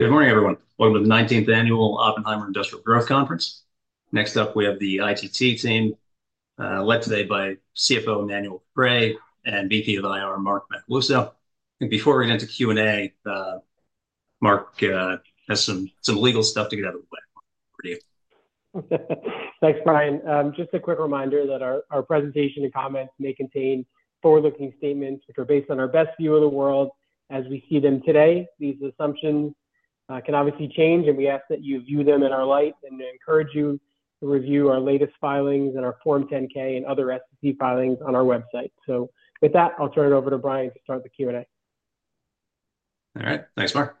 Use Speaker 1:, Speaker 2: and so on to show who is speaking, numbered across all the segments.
Speaker 1: Good morning, everyone. Welcome to the 19th Annual Oppenheimer Industrial Growth Conference. Next up, we have the ITT team, led today by CFO Emmanuel Caprais and VP of IR, Mark Macaluso. And before we get into Q&A, Mark has some, some legal stuff to get out of the way. Over to you.
Speaker 2: Thanks, Bryan. Just a quick reminder that our presentation and comments may contain forward-looking statements, which are based on our best view of the world as we see them today. These assumptions can obviously change, and we ask that you view them in our light, and we encourage you to review our latest filings and our Form 10-K and other SEC filings on our website. So with that, I'll turn it over to Bryan to start the Q&A.
Speaker 1: All right, thanks, Mark.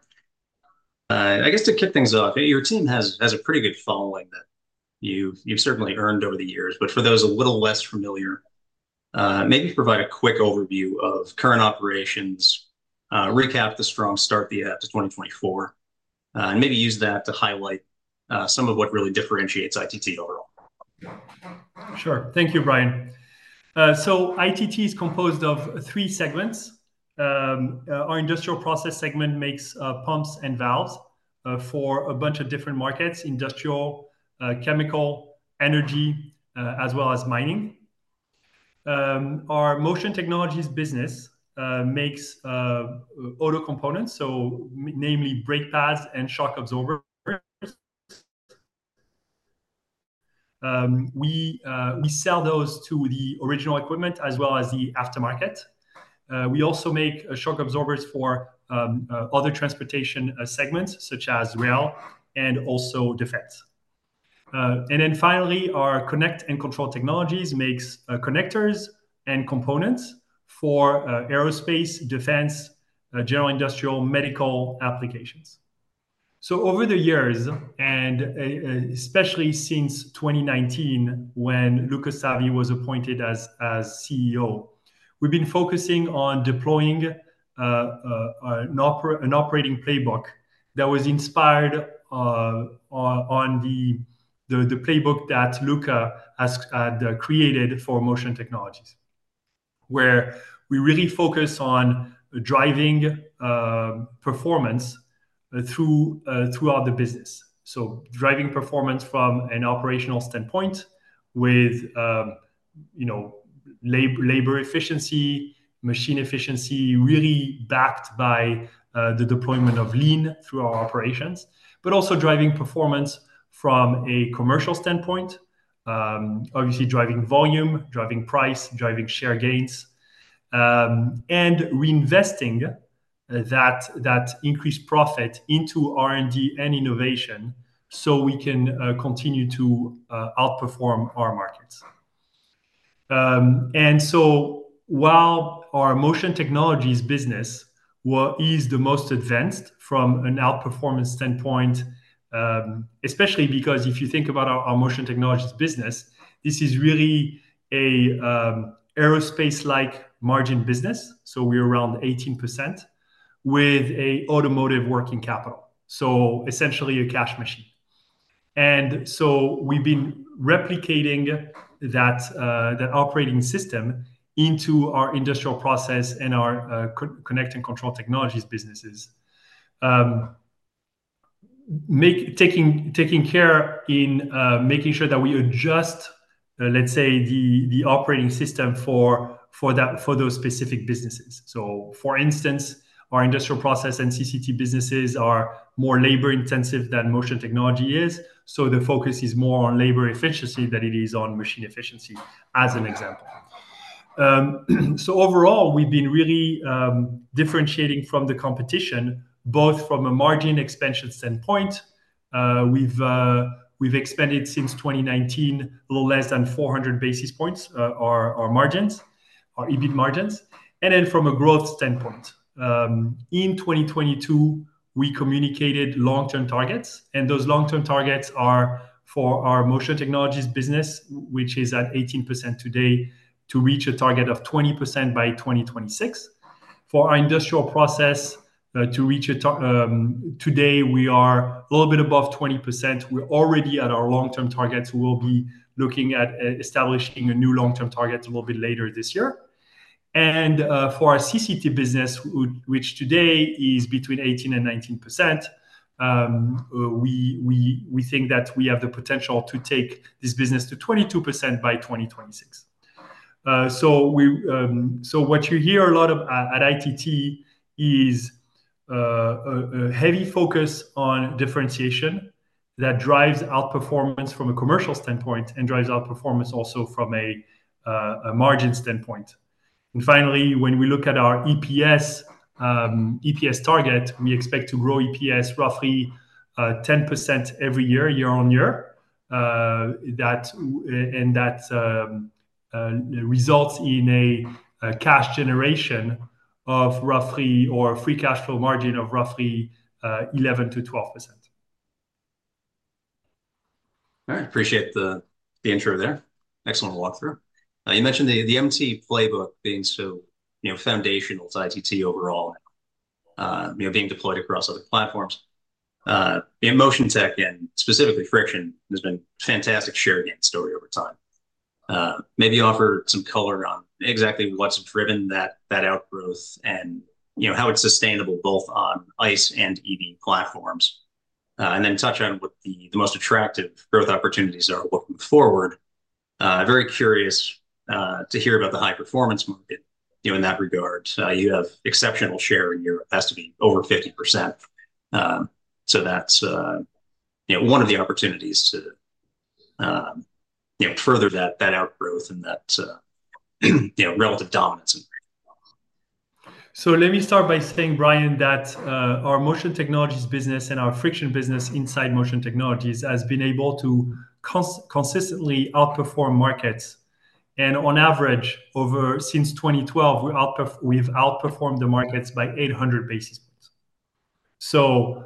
Speaker 1: I guess to kick things off, your team has a pretty good following that you've certainly earned over the years. But for those a little less familiar, maybe provide a quick overview of current operations, recap the strong start that you had to 2024, and maybe use that to highlight some of what really differentiates ITT overall.
Speaker 3: Sure. Thank you, Bryan. So ITT is composed of three segments. Our Industrial Process segment makes pumps and valves for a bunch of different markets: industrial, chemical, energy, as well as mining. Our Motion Technologies business makes auto components, so namely brake pads and shock absorbers. We sell those to the original equipment as well as the aftermarket. We also make shock absorbers for other transportation segments such as rail and also defense. And then finally, our Connect and Control Technologies makes connectors and components for aerospace, defense, general industrial, medical applications. So over the years, and especially since 2019, when Luca Savi was appointed as CEO, we've been focusing on deploying an operating playbook that was inspired on the playbook that Luca has created for Motion Technologies, where we really focus on driving performance through throughout the business. So driving performance from an operational standpoint with, you know, labor efficiency, machine efficiency, really backed by the deployment of Lean through our operations. But also driving performance from a commercial standpoint, obviously driving volume, driving price, driving share gains, and reinvesting that increased profit into R&D and innovation, so we can continue to outperform our markets. And so while our Motion Technologies business was, is the most advanced from an outperformance standpoint, especially because if you think about our Motion Technologies business, this is really a aerospace-like margin business, so we're around 18%, with a automotive working capital. So essentially, a cash machine. And so we've been replicating that operating system into our Industrial Process and our Connect and Control Technologies businesses, taking care in making sure that we adjust, let's say, the operating system for those specific businesses. So for instance, our Industrial Process and CCT businesses are more labor-intensive than Motion Technology is, so the focus is more on labor efficiency than it is on machine efficiency, as an example. So overall, we've been really differentiating from the competition, both from a margin expansion standpoint, we've expanded since 2019, a little less than 400 basis points, our margins, our EBIT margins, and then from a growth standpoint. In 2022, we communicated long-term targets, and those long-term targets are for our Motion Technologies business, which is at 18% today, to reach a target of 20% by 2026. For our Industrial Process, today we are a little bit above 20%. We're already at our long-term targets. We'll be looking at establishing a new long-term target a little bit later this year. For our CCT business, which today is between 18%-19%, we think that we have the potential to take this business to 22% by 2026. So what you hear a lot of at ITT is a heavy focus on differentiation that drives outperformance from a commercial standpoint and drives outperformance also from a margin standpoint. And finally, when we look at our EPS, EPS target, we expect to grow EPS roughly 10% every year, year-on-year. That, and that results in a cash generation of roughly or free cash flow margin of roughly 11%-12%.
Speaker 1: All right. Appreciate the intro there. Excellent walkthrough. You mentioned the MT playbook being so, you know, foundational to ITT overall, you know, being deployed across other platforms. The Motion Tech and specifically Friction has been a fantastic share gain story over time... maybe offer some color on exactly what's driven that outgrowth and, you know, how it's sustainable both on ICE and EV platforms. And then touch on what the most attractive growth opportunities are looking forward. Very curious to hear about the high-performance market. You know, in that regard, you have exceptional share in your estimate, over 50%. So that's, you know, one of the opportunities to, you know, further that outgrowth and that, you know, relative dominance and-
Speaker 3: So let me start by saying, Bryan, that our Motion Technologies business and our Friction business inside Motion Technologies has been able to consistently outperform markets. And on average, over, since 2012, we've outperformed the markets by 800 basis points. So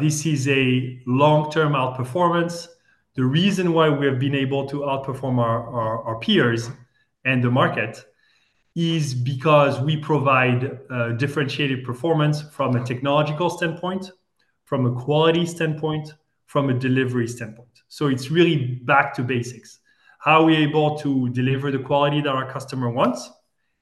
Speaker 3: this is a long-term outperformance. The reason why we have been able to outperform our peers and the market is because we provide differentiated performance from a technological standpoint, from a quality standpoint, from a delivery standpoint. So it's really back to basics. How are we able to deliver the quality that our customer wants?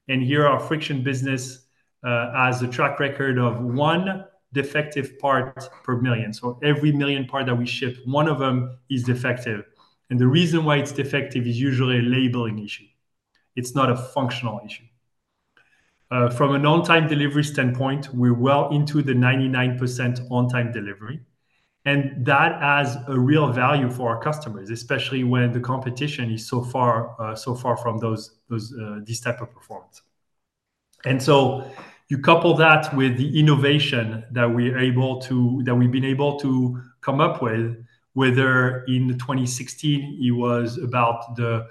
Speaker 3: And here, our Friction business has a track record of one defective part per million. So every million part that we ship, one of them is defective. And the reason why it's defective is usually a labeling issue, it's not a functional issue. From an on-time delivery standpoint, we're well into the 99% on-time delivery, and that adds a real value for our customers, especially when the competition is so far from those this type of performance. So you couple that with the innovation that we've been able to come up with, whether in 2016 it was about the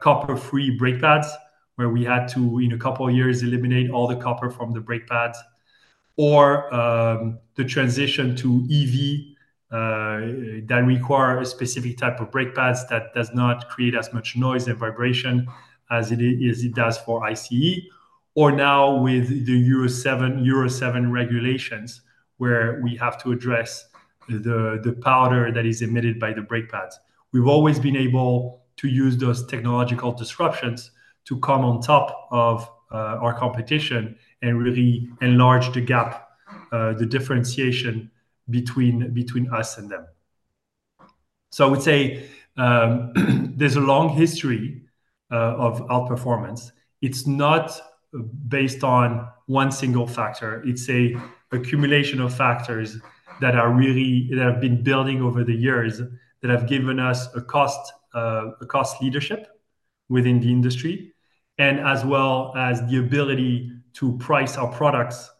Speaker 3: copper-free brake pads, where we had to, in a couple of years, eliminate all the copper from the brake pads, or the transition to EV that require a specific type of brake pads that does not create as much noise and vibration as it does for ICE. Or now with the Euro 7 regulations, where we have to address the powder that is emitted by the brake pads. We've always been able to use those technological disruptions to come on top of our competition and really enlarge the gap, the differentiation between us and them. So I would say, there's a long history of outperformance. It's not based on one single factor. It's an accumulation of factors that have been building over the years, that have given us a cost leadership within the industry, as well as the ability to price our products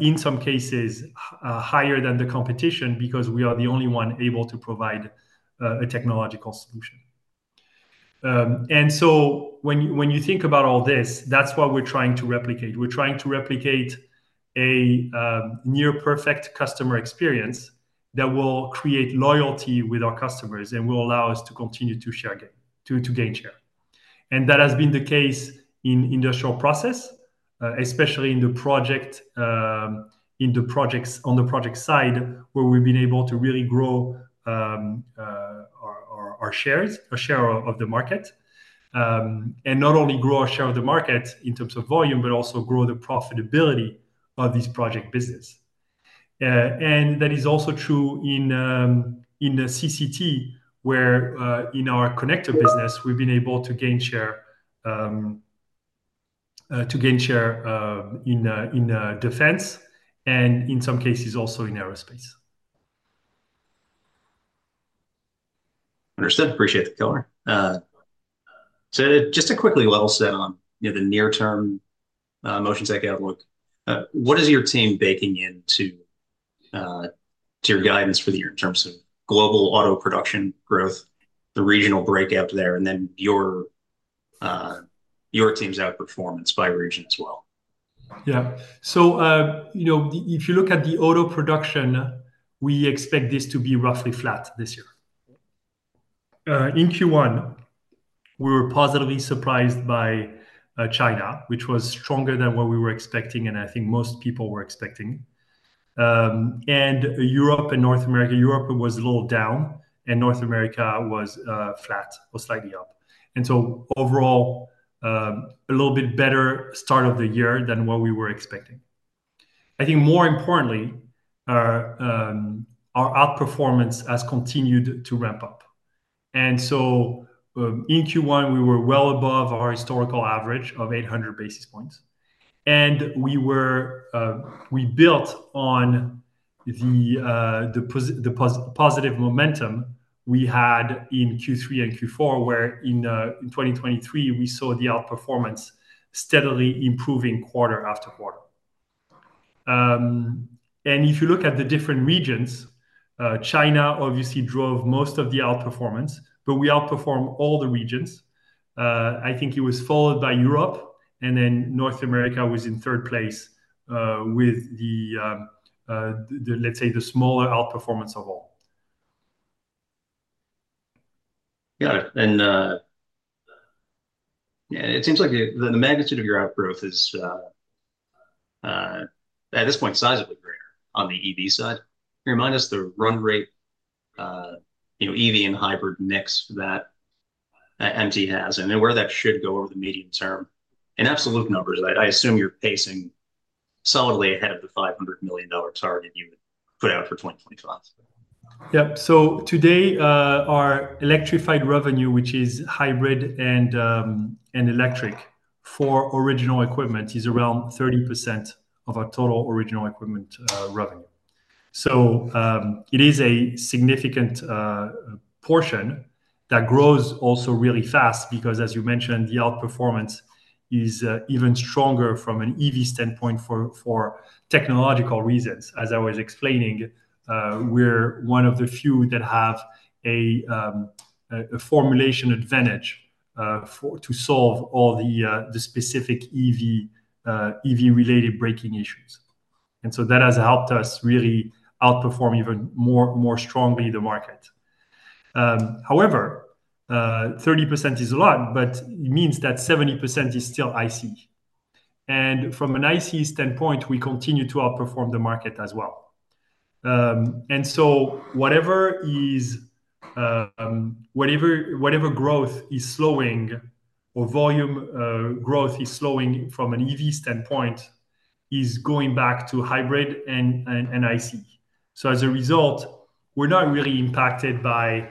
Speaker 3: in some cases higher than the competition, because we are the only one able to provide a technological solution. And so when you think about all this, that's what we're trying to replicate. We're trying to replicate a near perfect customer experience that will create loyalty with our customers and will allow us to continue to share gain, to gain share. And that has been the case in Industrial Process, especially in the project, in the projects, on the project side, where we've been able to really grow our share of the market. And not only grow our share of the market in terms of volume, but also grow the profitability of this project business. And that is also true in the CCT, where in our connector business, we've been able to gain share, to gain share, in defense and in some cases also in aerospace.
Speaker 1: Understood. Appreciate the color. So just to quickly level set on, you know, the near-term motion tech outlook, what is your team baking into to your guidance for the year in terms of global auto production growth, the regional breakout there, and then your your team's outperformance by region as well?
Speaker 3: Yeah. So, you know, if you look at the auto production, we expect this to be roughly flat this year. In Q1, we were positively surprised by China, which was stronger than what we were expecting, and I think most people were expecting. Europe and North America: Europe was a little down, and North America was flat or slightly up. So overall, a little bit better start of the year than what we were expecting. I think more importantly, our outperformance has continued to ramp up. So, in Q1, we were well above our historical average of 800 basis points, and we built on the positive momentum we had in Q3 and Q4, where in 2023, we saw the outperformance steadily improving quarter after quarter. If you look at the different regions, China obviously drove most of the outperformance, but we outperformed all the regions. I think it was followed by Europe, and then North America was in third place, with the, let's say, the smaller outperformance of all.
Speaker 1: Got it. And, yeah, it seems like the magnitude of your outgrowth is at this point sizably greater on the EV side. Remind us the run rate, you know, EV and hybrid mix that MT has, and then where that should go over the medium term. In absolute numbers, I assume you're pacing solidly ahead of the $500 million target you put out for 2025.
Speaker 3: Yep. So today, our electrified revenue, which is hybrid and electric for original equipment, is around 30% of our total original equipment revenue. So, it is a significant portion that grows also really fast because as you mentioned, the outperformance is even stronger from an EV standpoint for technological reasons. As I was explaining, we're one of the few that have a formulation advantage to solve all the specific EV-related braking issues. And so that has helped us really outperform even more strongly the market. However, 30% is a lot, but it means that 70% is still ICE. And from an ICE standpoint, we continue to outperform the market as well. And so whatever growth is slowing or volume growth is slowing from an EV standpoint is going back to hybrid and ICE. So as a result, we're not really impacted by,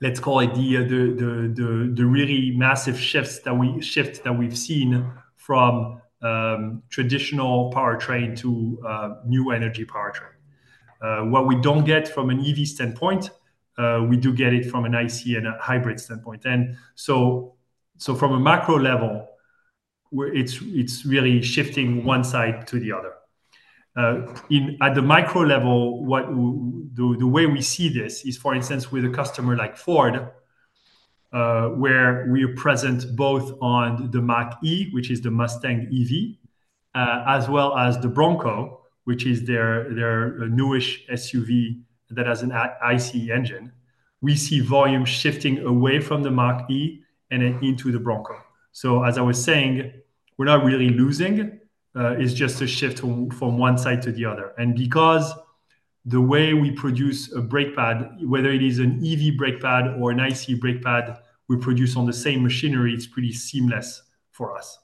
Speaker 3: let's call it the really massive shifts that we've seen from traditional powertrain to new energy powertrain. What we don't get from an EV standpoint, we do get it from an ICE and a hybrid standpoint. And so from a macro level, where it's really shifting one side to the other. At the micro level, the way we see this is, for instance, with a customer like Ford, where we are present both on the Mach-E, which is the Mustang EV, as well as the Bronco, which is their newish SUV that has an ICE engine. We see volume shifting away from the Mach-E and then into the Bronco. So as I was saying, we're not really losing. It's just a shift from one side to the other. And because the way we produce a brake pad, whether it is an EV brake pad or an ICE brake pad, we produce on the same machinery, it's pretty seamless for us.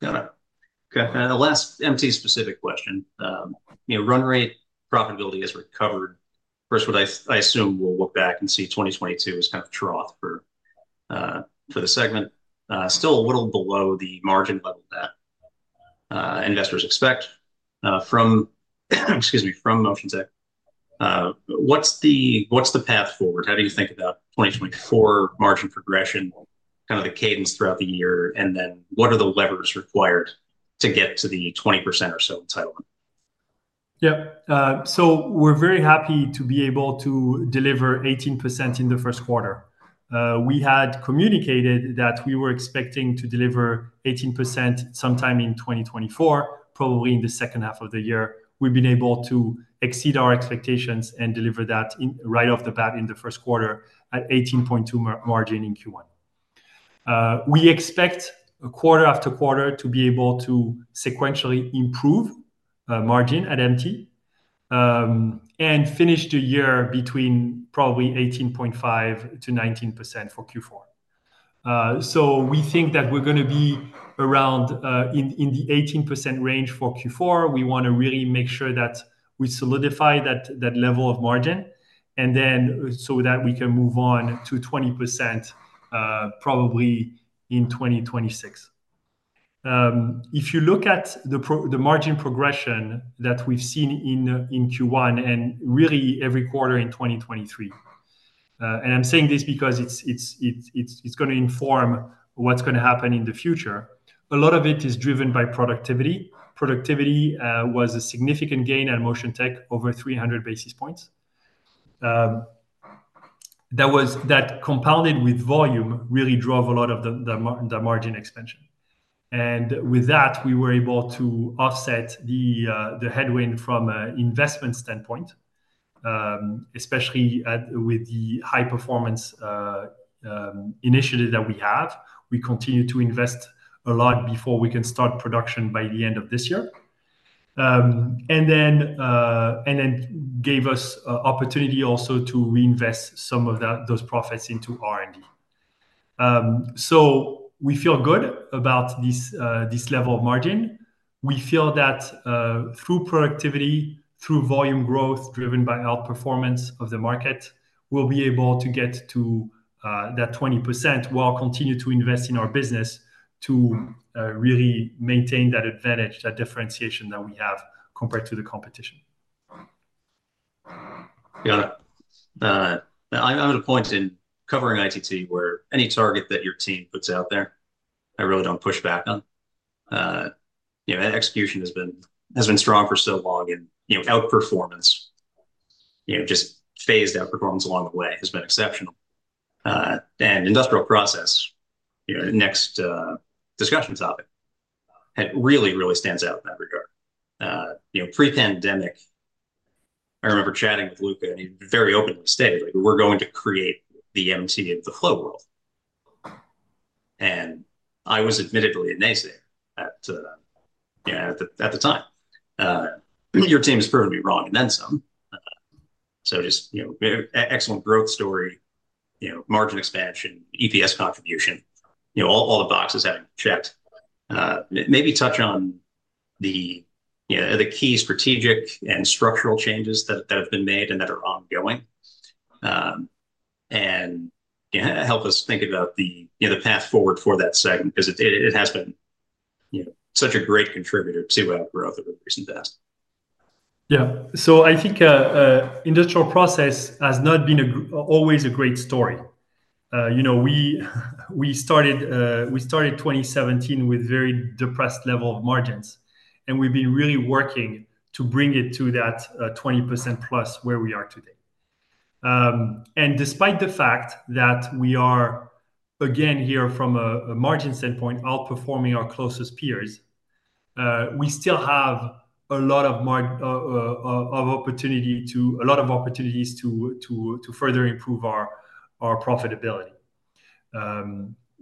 Speaker 1: Got it. Okay, and the last MT-specific question. You know, run rate profitability has recovered. First, what I assume we'll look back and see 2022 as kind of trough for the segment. Still a little below the margin level that investors expect from, excuse me, from Motion Technologies. What's the path forward? How do you think about 2024 margin progression, kind of the cadence throughout the year, and then what are the levers required to get to the 20% or so target?
Speaker 3: Yep. So we're very happy to be able to deliver 18% in the first quarter. We had communicated that we were expecting to deliver 18% sometime in 2024, probably in the second half of the year. We've been able to exceed our expectations and deliver that in, right off the bat in the first quarter at 18.2 margin in Q1. We expect a quarter after quarter to be able to sequentially improve margin at MT, and finish the year between probably 18.5%-19% for Q4. So we think that we're gonna be around in the 18% range for Q4. We want to really make sure that we solidify that level of margin, and then so that we can move on to 20%, probably in 2026. If you look at the margin progression that we've seen in Q1, and really every quarter in 2023, and I'm saying this because it's going to inform what's going to happen in the future. A lot of it is driven by productivity. Productivity was a significant gain at MotionTech, over 300 basis points. That compounded with volume, really drove a lot of the margin expansion. And with that, we were able to offset the headwind from an investment standpoint, especially with the high performance initiative that we have. We continue to invest a lot before we can start production by the end of this year. And then gave us opportunity also to reinvest some of that, those profits into R&D. So we feel good about this, this level of margin. We feel that, through productivity, through volume growth, driven by outperformance of the market, we'll be able to get to that 20% while continue to invest in our business to really maintain that advantage, that differentiation that we have compared to the competition.
Speaker 1: Got it. I'm at a point in covering ITT, where any target that your team puts out there, I really don't push back on. You know, execution has been, has been strong for so long and, you know, outperformance, you know, just phased outperformance along the way has been exceptional. Industrial Process, you know, next discussion topic, it really, really stands out in that regard. You know, pre-pandemic, I remember chatting with Luca, and he very openly stated, like, "We're going to create the MT of the flow world." And I was admittedly a naysayer at the time. Your team has proven me wrong, and then some. So just, you know, excellent growth story, you know, margin expansion, EPS contribution, you know, all the boxes have been checked. Maybe touch on the, you know, the key strategic and structural changes that have been made and that are ongoing. And yeah, help us think about the, you know, the path forward for that segment, 'cause it has been, you know, such a great contributor to our growth in the recent past.
Speaker 3: Yeah. So I think Industrial Process has not always been a great story. You know, we started 2017 with very depressed level of margins, and we've been really working to bring it to that 20% plus where we are today. Despite the fact that we are, again, here from a margin standpoint, outperforming our closest peers, we still have a lot of opportunities to further improve our profitability.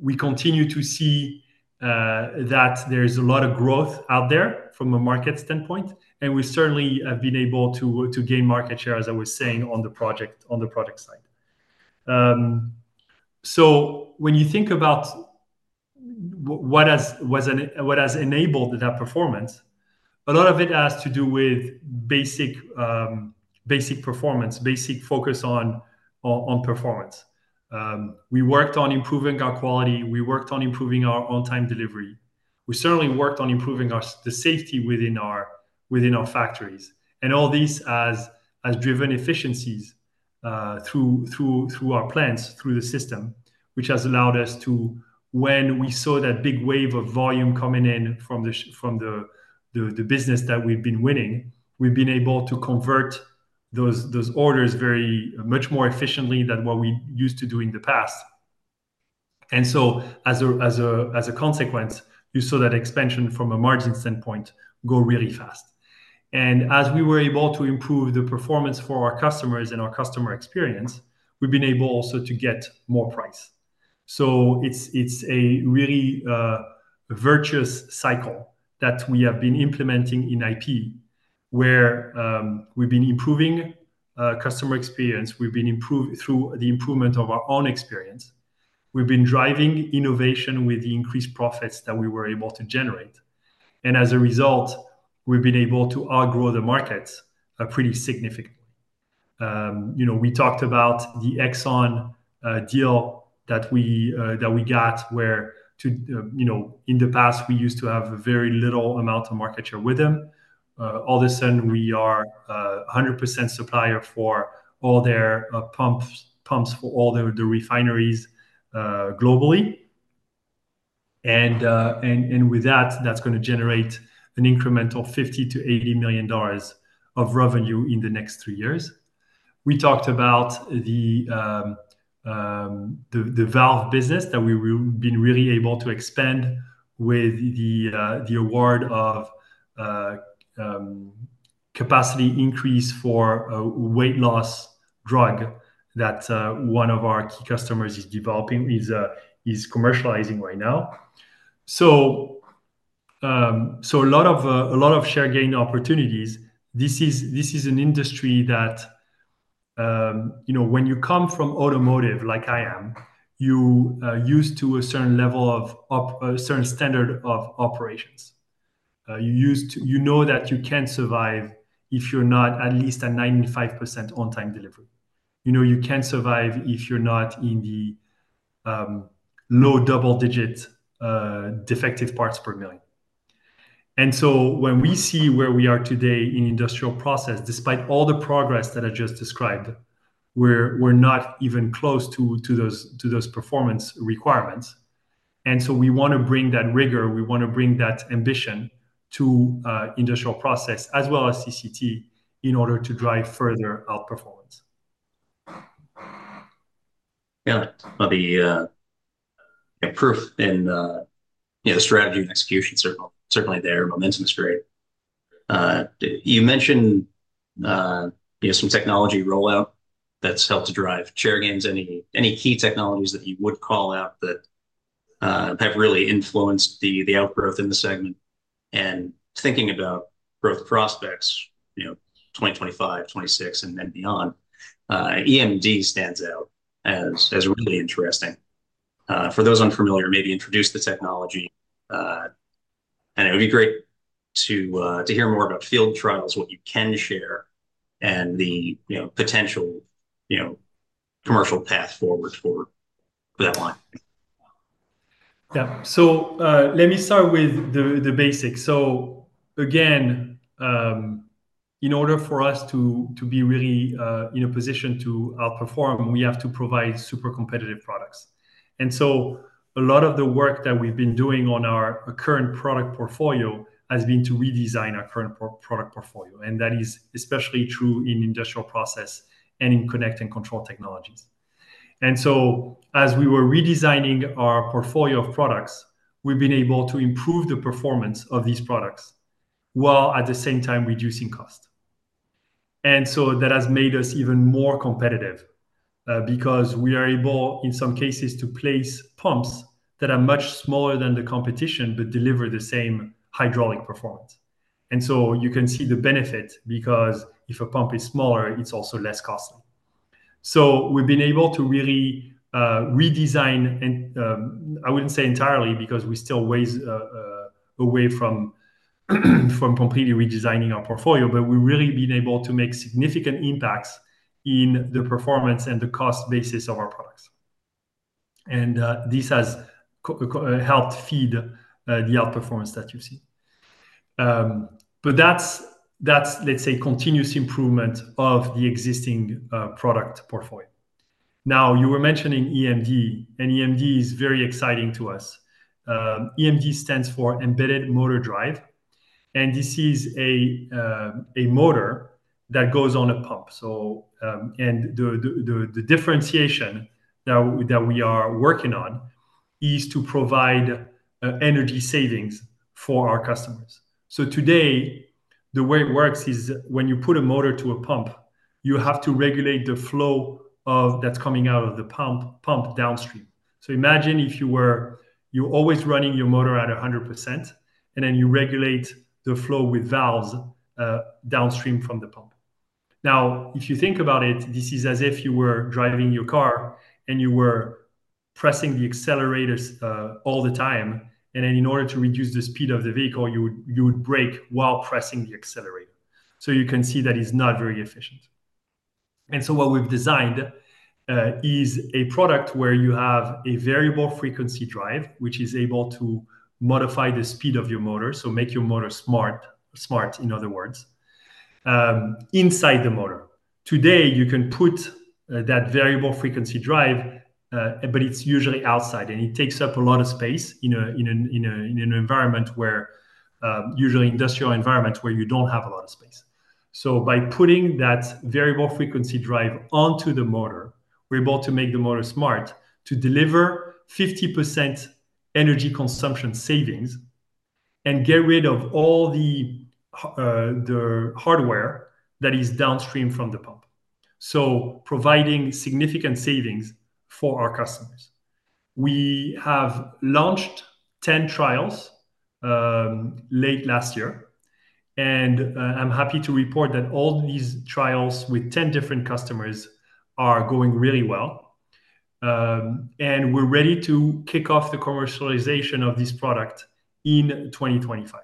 Speaker 3: We continue to see that there's a lot of growth out there from a market standpoint, and we certainly have been able to gain market share, as I was saying, on the project side. So when you think about what has enabled that performance, a lot of it has to do with basic performance, basic focus on performance. We worked on improving our quality, we worked on improving our on-time delivery. We certainly worked on improving the safety within our factories. And all these has driven efficiencies through our plants, through the system, which has allowed us to, when we saw that big wave of volume coming in from the business that we've been winning, we've been able to convert those orders very much more efficiently than what we used to do in the past. And so as a consequence, you saw that expansion from a margin standpoint go really fast. As we were able to improve the performance for our customers and our customer experience, we've been able also to get more price. So it's, it's a really virtuous cycle that we have been implementing in ITT, where we've been improving customer experience through the improvement of our own experience. We've been driving innovation with the increased profits that we were able to generate, and as a result, we've been able to outgrow the markets pretty significantly. You know, we talked about the Exxon deal that we got, where, you know, in the past, we used to have very little amount of market share with them. All of a sudden, we are 100% supplier for all their pumps for all the refineries globally. With that, that's gonna generate an incremental $50-$80 million of revenue in the next three years. We talked about the valve business that we've been really able to expand with the award of capacity increase for a weight loss drug that one of our key customers is developing, is commercializing right now. So a lot of share gain opportunities. This is an industry that, you know, when you come from automotive, like I am, you are used to a certain level of op—a certain standard of operations. You're used to, you know that you can't survive if you're not at least 95% on-time delivery. You know you can't survive if you're not in the low double-digit defective parts per million. And so when we see where we are today in Industrial Process, despite all the progress that I just described, we're not even close to those performance requirements. And so we want to bring that rigor, we want to bring that ambition to Industrial Process as well as CCT in order to drive further outperformance.
Speaker 1: Yeah. Well, the proof in, you know, the strategy and execution circle certainly there, momentum is great. You mentioned, you know, some technology rollout that's helped to drive share gains. Any, any key technologies that you would call out that have really influenced the, the outgrowth in the segment? And thinking about growth prospects, you know, 2025, 2026, and then beyond, EMD stands out as, as really interesting. For those unfamiliar, maybe introduce the technology, and it would be great to, to hear more about field trials, what you can share, and the, you know, potential, you know, commercial path forward for that line.
Speaker 3: Yeah. So, let me start with the basics. So again, in order for us to be really in a position to outperform, we have to provide super competitive products. And so a lot of the work that we've been doing on our current product portfolio has been to redesign our current product portfolio, and that is especially true in Industrial Process and in Connect and Control Technologies. And so as we were redesigning our portfolio of products, we've been able to improve the performance of these products, while at the same time reducing cost. And so that has made us even more competitive, because we are able, in some cases, to place pumps that are much smaller than the competition, but deliver the same hydraulic performance. And so you can see the benefit, because if a pump is smaller, it's also less costly. So we've been able to really redesign and I wouldn't say entirely, because we're still ways away from completely redesigning our portfolio, but we've really been able to make significant impacts in the performance and the cost basis of our products. And this has helped feed the outperformance that you've seen. But that's, let's say, continuous improvement of the existing product portfolio. Now, you were mentioning EMD, and EMD is very exciting to us. EMD stands for Embedded Motor Drive, and this is a motor that goes on a pump. So, and the differentiation that we are working on is to provide energy savings for our customers. So today, the way it works is when you put a motor to a pump, you have to regulate the flow of, that's coming out of the pump, pump downstream. So imagine if you were. You're always running your motor at 100%, and then you regulate the flow with valves, downstream from the pump. Now, if you think about it, this is as if you were driving your car and you were pressing the accelerators, all the time, and then in order to reduce the speed of the vehicle, you would brake while pressing the accelerator. So you can see that it's not very efficient. So what we've designed is a product where you have a variable frequency drive, which is able to modify the speed of your motor, so make your motor smart, smart, in other words, inside the motor. Today, you can put that variable frequency drive, but it's usually outside, and it takes up a lot of space in an environment where usually industrial environments, where you don't have a lot of space. So by putting that variable frequency drive onto the motor, we're able to make the motor smart, to deliver 50% energy consumption savings, and get rid of all the hardware that is downstream from the pump, so providing significant savings for our customers. We have launched 10 trials late last year, and I'm happy to report that all these trials with 10 different customers are going really well. We're ready to kick off the commercialization of this product in 2025.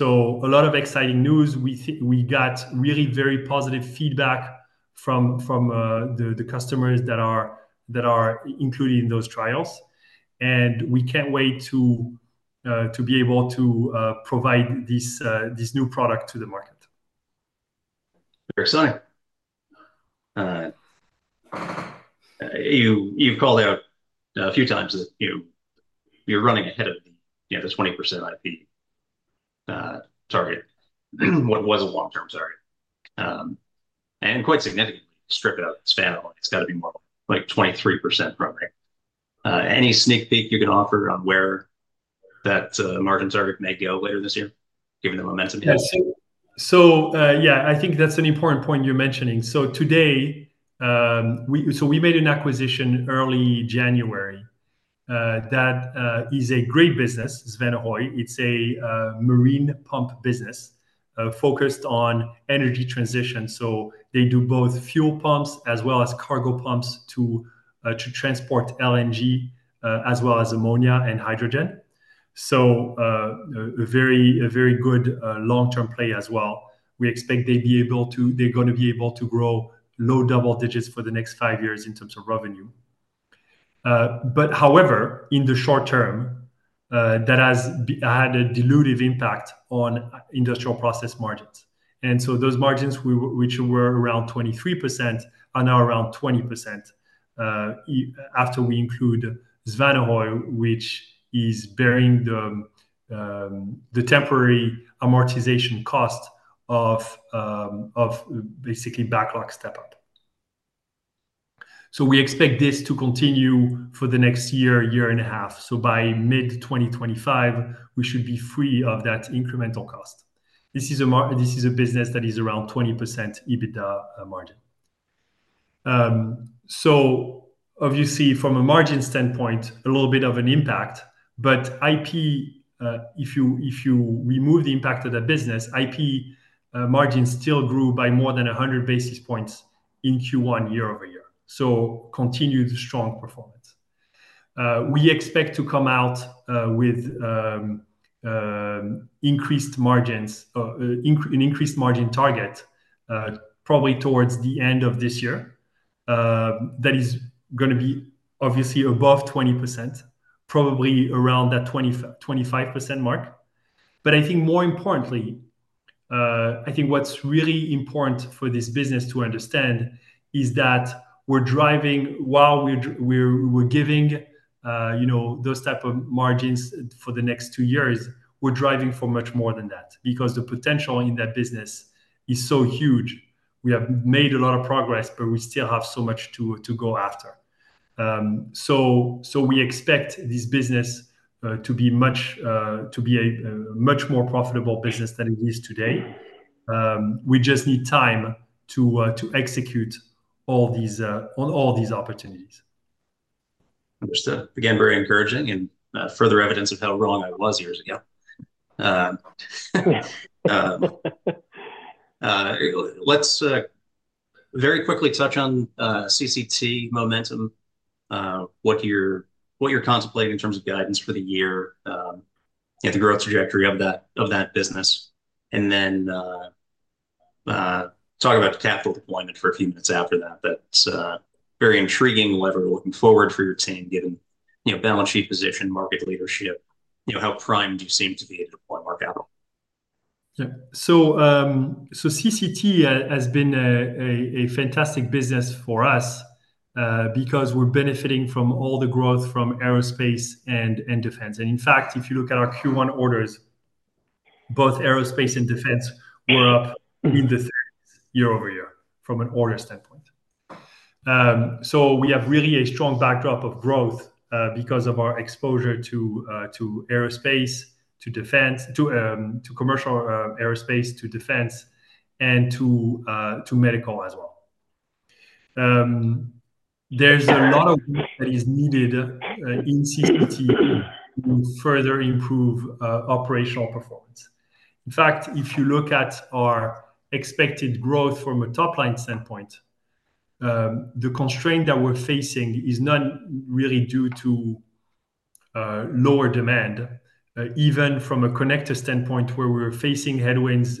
Speaker 3: A lot of exciting news. We got really very positive feedback from the customers that are included in those trials, and we can't wait to be able to provide this new product to the market.
Speaker 1: Very exciting. You've called out a few times that you're running ahead of the, you know, the 20% IP target, what was a long-term target. And quite significantly, strip it out, it's been a while. It's got to be more like 23% roughly. Any sneak peek you can offer on where that margin target may go later this year, given the momentum you have seen?
Speaker 3: So, yeah, I think that's an important point you're mentioning. So today, we... So we made an acquisition early January, that, is a great business, Svanehøj. It's a, marine pump business, focused on energy transition. So they do both fuel pumps as well as cargo pumps to, to transport LNG, as well as ammonia and hydrogen. So, a very, a very good, long-term play as well. We expect they'd be able to- they're gonna be able to grow low double digits for the next five years in terms of revenue. But however, in the short term, that has b- had a dilutive impact on Industrial Process margins. And so those margins, which were around 23%, are now around 20%, after we include Svanehøj, which is bearing the, the temporary amortization cost of, of basically backlog step up. So we expect this to continue for the next year, year and a half. So by mid-2025, we should be free of that incremental cost. This is a business that is around 20% EBITDA margin. So obviously, from a margin standpoint, a little bit of an impact, but IP, if you, if you remove the impact of that business, IP margins still grew by more than 100 basis points in Q1, year-over-year. So continued strong performance. We expect to come out with an increased margin target, probably towards the end of this year. That is gonna be obviously above 20%, probably around that 20%-25% mark. But I think more importantly, I think what's really important for this business to understand is that we're driving... While we're giving, you know, those type of margins for the next two years, we're driving for much more than that, because the potential in that business is so huge.... We have made a lot of progress, but we still have so much to go after. So we expect this business to be a much more profitable business than it is today. We just need time to execute on all these opportunities.
Speaker 1: Understood. Again, very encouraging and further evidence of how wrong I was years ago. Let's very quickly touch on CCT momentum, what you're contemplating in terms of guidance for the year. You know, the growth trajectory of that business, and then talk about capital deployment for a few minutes after that. That's very intriguing lever looking forward for your team, given, you know, balance sheet position, market leadership, you know, how primed you seem to be to deploy more capital.
Speaker 3: Yeah. So, CCT has been a fantastic business for us, because we're benefiting from all the growth from aerospace and defense. And in fact, if you look at our Q1 orders, both aerospace and defense were up in the 30s year-over-year from an order standpoint. So we have really a strong backdrop of growth, because of our exposure to aerospace, to defense, to commercial aerospace, to defense, and to medical as well. There's a lot of work that is needed in CCT to further improve operational performance. In fact, if you look at our expected growth from a top-line standpoint, the constraint that we're facing is not really due to lower demand, even from a connector standpoint, where we're facing headwinds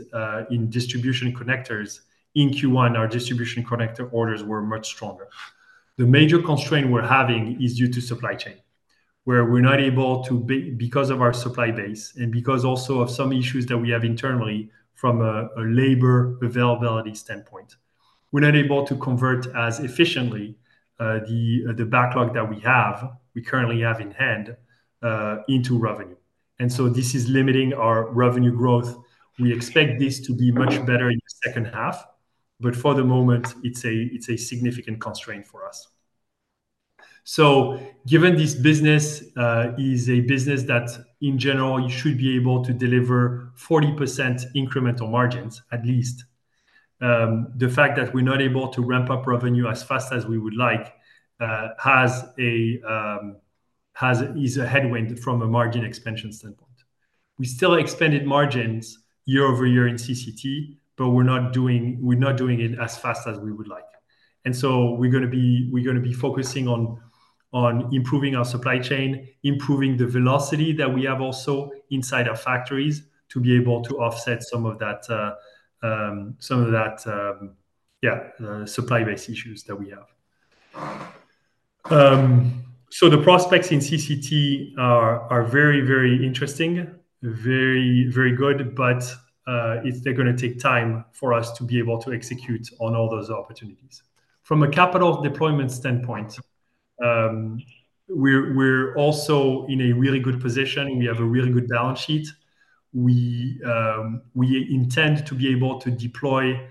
Speaker 3: in distribution connectors. In Q1, our distribution connector orders were much stronger. The major constraint we're having is due to supply chain, where we're not able to because of our supply base and because also of some issues that we have internally from a labor availability standpoint, we're not able to convert as efficiently the backlog that we have, we currently have in hand, into revenue, and so this is limiting our revenue growth. We expect this to be much better in the second half, but for the moment, it's a significant constraint for us. So given this business is a business that in general, you should be able to deliver 40% incremental margins at least, the fact that we're not able to ramp up revenue as fast as we would like, has... is a headwind from a margin expansion standpoint. We still expanded margins year over year in CCT, but we're not doing, we're not doing it as fast as we would like. And so we're gonna be- we're gonna be focusing on, on improving our supply chain, improving the velocity that we have also inside our factories, to be able to offset some of that supply base issues that we have. So the prospects in CCT are, are very, very interesting, very, very good, but, it's gonna take time for us to be able to execute on all those opportunities. From a capital deployment standpoint, we're, we're also in a really good position. We have a really good balance sheet. We, we intend to be able to deploy,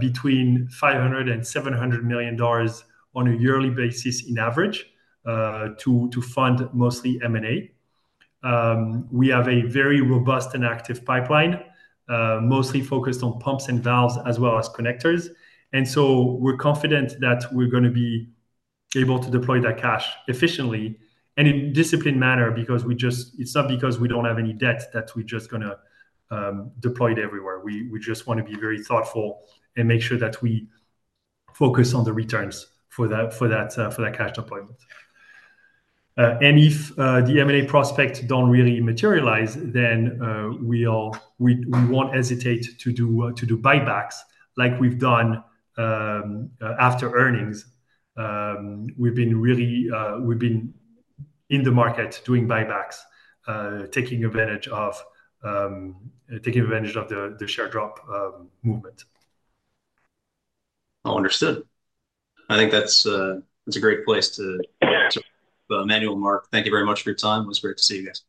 Speaker 3: between $500 million and $700 million on a yearly basis in average, to, to fund mostly M&A. We have a very robust and active pipeline, mostly focused on pumps and valves as well as connectors. And so we're confident that we're gonna be able to deploy that cash efficiently and in a disciplined manner because we just- it's not because we don't have any debt, that we're just gonna, deploy it everywhere. We, we just want to be very thoughtful and make sure that we focus on the returns for that, for that, for that cash deployment. And if, the M&A prospects don't really materialize, then, we all- we, we won't hesitate to do, to do buybacks like we've done, after earnings. We've been really in the market doing buybacks, taking advantage of the share drop movement.
Speaker 1: All understood. I think that's a great place to Emmanuel and Mark, thank you very much for your time. It was great to see you guys.